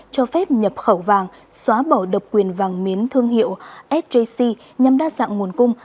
cho phép nhập khẩu vàng xóa bỏ độc quyền vàng miến thương hiệu sjc nhằm đa dạng nguồn cung